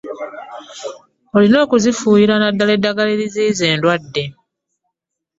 Olina okuzifuuyira nnaddala eddagala eriziyiza endwadde